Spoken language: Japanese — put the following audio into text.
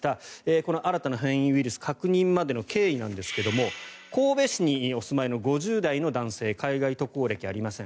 この新たな変異ウイルス確認までの経緯なんですが神戸市にお住まいの５０代の男性海外渡航歴ありません。